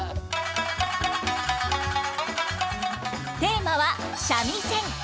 テーマは「三味線」。